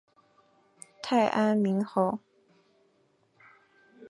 太安明侯